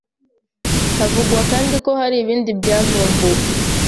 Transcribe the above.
Havugwa kandi ko hari ibindi byavumbuwe